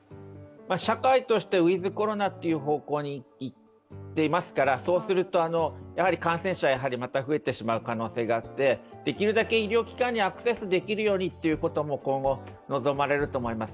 社会としてウィズ・コロナという方向に行ってますからそうすると、やはり感染者がまた増えてしまう可能性があってできるだけ医療機関にアクセスできるようにということも今後臨まれると思います。